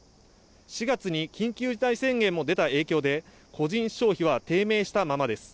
４月に緊急事態宣言も出た影響で個人消費は低迷したままです。